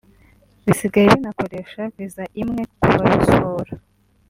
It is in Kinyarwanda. bisigaye binakoresha Viza imwe ku babisura